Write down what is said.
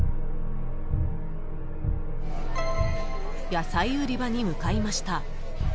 ［野菜売り場に向かいました］